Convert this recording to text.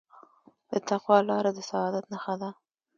د تقوی لاره د سعادت نښه ده.